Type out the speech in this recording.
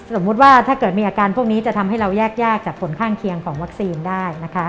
สมมุติว่าถ้าเกิดมีอาการพวกนี้จะทำให้เราแยกยากจากผลข้างเคียงของวัคซีนได้นะคะ